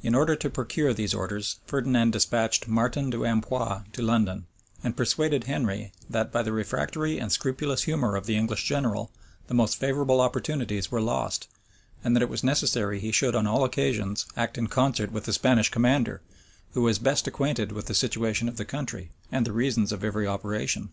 In order to procure these orders, Ferdinand despatched Martin de Ampios to London; and persuaded Henry that, by the refractory and scrupulous humor of the English general, the most favorable opportunities were lost; and that it was necessary he should on all occasions act in concert with the Spanish commander, who was best acquainted with the situation of the country, and the reasons of every operation.